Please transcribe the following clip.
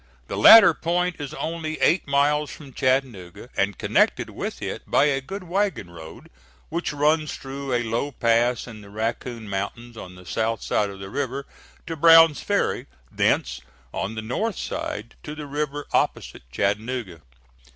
The latter point is only eight miles from Chattanooga and connected with it by a good wagon road, which runs through a low pass in the Raccoon Mountains on the south side of the river to Brown's Ferry, thence on the north side to the river opposite Chattanooga.